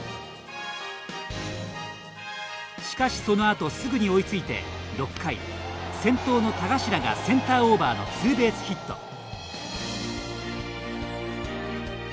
しかし、その後すぐに追いついて６回、先頭の田頭がセンターオーバーのツーベースヒット。